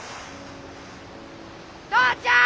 父ちゃん！